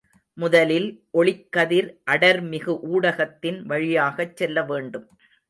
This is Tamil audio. முதலில் ஒளிக்கதிர் அடர்மிகு ஊடகத்தின் வழியாகச் செல்ல வேண்டும்.